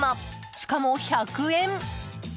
しかも１００円！